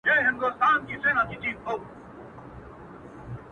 شاعر باید درباري نه وي,